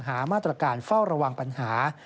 หามาตรการเฝ้าระวังปัญหา